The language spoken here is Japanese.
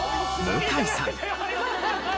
向井さん。